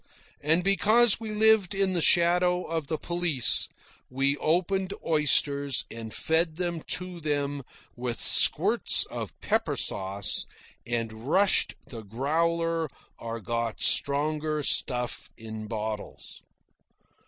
And because we lived in the shadow of the police, we opened oysters and fed them to them with squirts of pepper sauce, and rushed the growler or got stronger stuff in bottles.